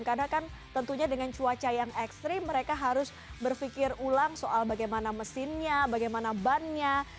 karena kan tentunya dengan cuaca yang ekstrim mereka harus berfikir ulang soal bagaimana mesinnya bagaimana bannya